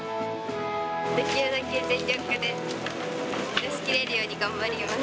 できるだけ全力で出しきれるように頑張ります。